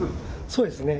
そうですね。